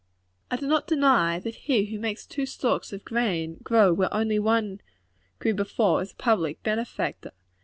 I do not deny, that he who makes two stalks of grain grow where only one grew before, is a public benefactor.